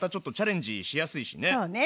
そうね。